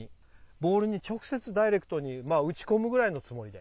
ボールに直接ダイレクトに打ち込むぐらいのつもりで。